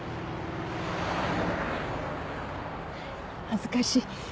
恥ずかしい。